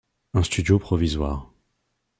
Un studio provisoire.